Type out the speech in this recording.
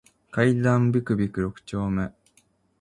階段ビクビク六丁目